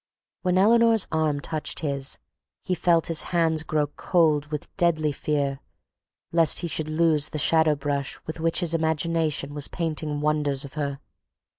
When Eleanor's arm touched his he felt his hands grow cold with deadly fear lest he should lose the shadow brush with which his imagination was painting wonders of her.